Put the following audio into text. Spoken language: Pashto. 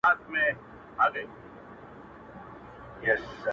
له دې مخلوق او له دې ښار سره مي نه لګیږي-